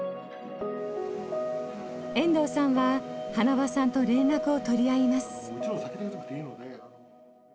遠藤さんは塙さんと連絡を取り合います。